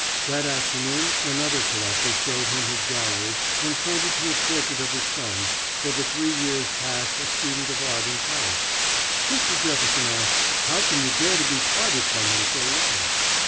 That afternoon another collector showed him his gallery and pointed to a portrait of his son, for the three years past a student of art in Paris. Mr. Jefferson asked: "How can you bear to be parted from him so long?"